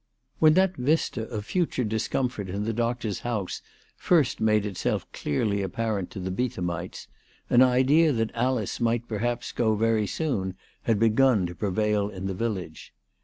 When that vista of future discomfort in the doctor's house first made itself clearly apparent to the Bee thamites, an idea that Alice might perhaps go very soon had begun to prevail in the village.